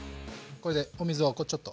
これでお水をこうちょっと。